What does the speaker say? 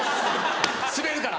滑るから。